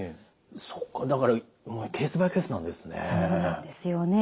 そうかだからケースバイケースなんですね。